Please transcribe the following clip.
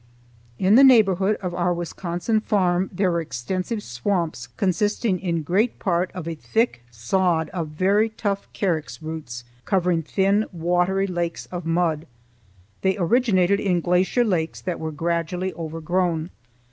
In the neighborhood of our Wisconsin farm there were extensive swamps consisting in great part of a thick sod of very tough carex roots covering thin, watery lakes of mud. They originated in glacier lakes that were gradually overgrown.